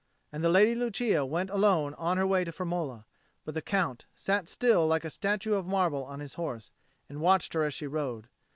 And the Lady Lucia went alone on her way to Firmola. But the Count sat still like a statue of marble on his horse, and watched her as she rode.